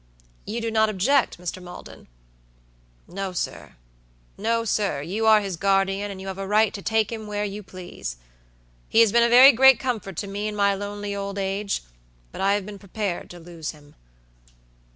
"You do not object, Mr. Maldon?" "No, sirno, sir; you are his guardian, and you have a right to take him where you please. He has been a very great comfort to me in my lonely old age, but I have been prepared to lose him.